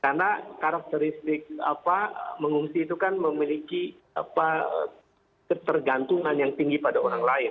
karena karakteristik mengungsi itu kan memiliki ketergantungan yang tinggi pada orang lain